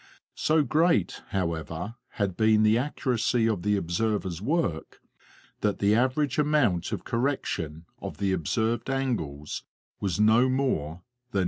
So great, however, had been the accuracy of the observers' work, that the average amount of correction of the observed angles was no more than 0.